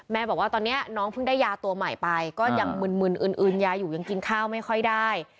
บอกว่าตอนนี้น้องเพิ่งได้ยาตัวใหม่ไปก็ยังมึนอืนยาอยู่ยังกินข้าวไม่ค่อยได้